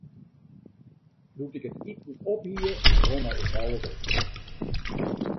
Doe't ik it iten op hie, romme ik alles op.